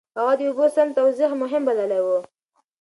هغه د اوبو سم توزيع مهم بللی و.